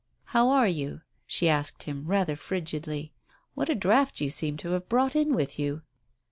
"How are you?" she asked him, rather frigidly. "What a draught you seem to have brought in with you